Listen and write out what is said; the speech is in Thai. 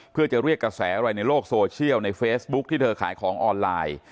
เพื่อจะเรียกกระแสอะไรในโลกโซเชียลในเฟซบุ๊คที่เธอขายของออนไลน์